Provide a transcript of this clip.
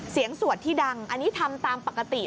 สวดที่ดังอันนี้ทำตามปกติ